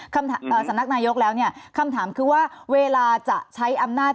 สำนักนายกแล้วเนี่ยคำถามคือว่าเวลาจะใช้อำนาจ